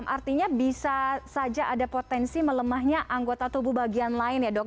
artinya bisa saja ada potensi melemahnya anggota tubuh bagian lain ya dok